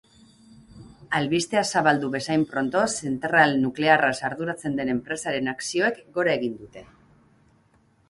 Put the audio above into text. Albistea zabaldu bezain pronto zentral nuklearraz arduratzen den enpresaren akzioek gora egin dute.